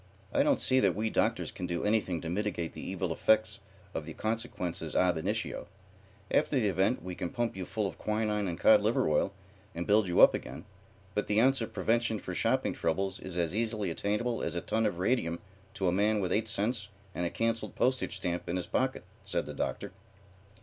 I don't see that we doctors can do anything to mitigate the evil effects of the consequences ab initio. After the event we can pump you full of quinine and cod liver oil and build you up again, but the ounce of prevention for shopping troubles is as easily attainable as a ton of radium to a man with eight cents and a cancelled postage stamp in his pocket," said the Doctor.